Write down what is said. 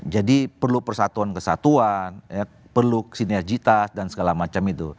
dan itu persatuan kesatuan perlu sinerjitas dan segala macam itu